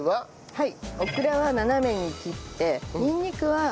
はい。